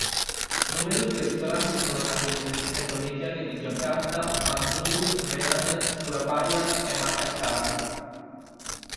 Numerosi ristoranti sono nati nelle città indonesiane di Giacarta, Bandung, Medan, Surabaya e Makassar.